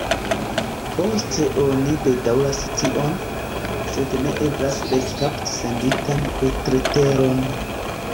Poste oni bedaŭras tion, sed ne eblas rekapti senditan retleteron.